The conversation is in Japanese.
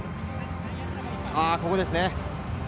ここですね。